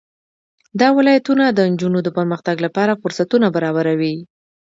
دا ولایتونه د نجونو د پرمختګ لپاره فرصتونه برابروي.